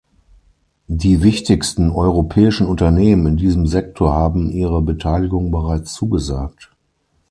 Die wichtigsten europäischen Unternehmen in diesem Sektor haben ihre Beteiligung bereits zugesagt.